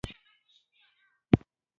ایا میوه روغتیا ته ګټه لري؟